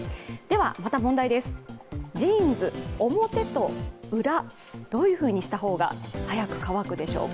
また問題です、ジーンズ、表と裏、どういうふうにした方が速く乾くでしょうか。